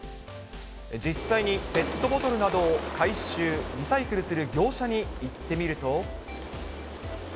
実際にペットボトルなどを回収、リサイクルする業者に行ってみると。